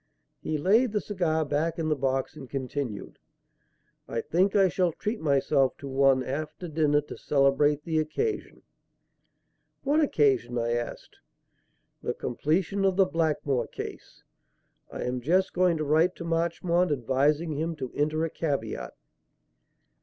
He laid the cigar back in the box and continued: "I think I shall treat myself to one after dinner to celebrate the occasion." "What occasion?" I asked. "The completion of the Blackmore case. I am just going to write to Marchmont advising him to enter a caveat."